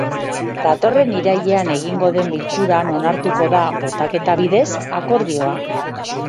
Datorren irailean egingo den bilkuran onartuko da, botaketa bidez, akordioa.